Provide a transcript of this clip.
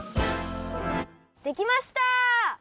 できました！